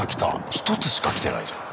１つしか来てないじゃん。